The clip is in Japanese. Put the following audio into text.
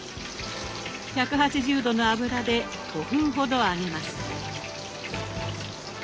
１８０度の油で５分ほど揚げます。